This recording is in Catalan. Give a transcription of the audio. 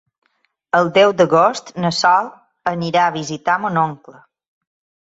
El deu d'agost na Sol anirà a visitar mon oncle.